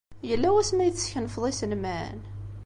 Yella wasmi ay teskenfeḍ iselman?